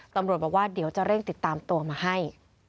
ตำรวจบอกว่าเดี๋ยวจะเร่งติดตามตัวมาให้